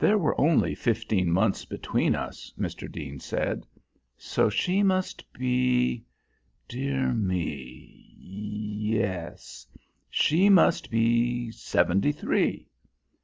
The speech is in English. "There were only fifteen months between us," Mr. Deane said, "so she must be, dear me, yes; she must be seventy three.